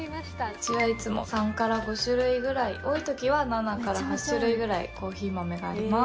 うちはいつも３から５種類ぐらい多いときは７から８種類ぐらいコーヒー豆があります